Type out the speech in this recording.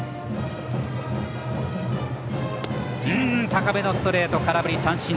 高めのストレート、空振り三振。